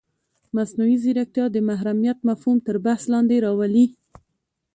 مصنوعي ځیرکتیا د محرمیت مفهوم تر بحث لاندې راولي.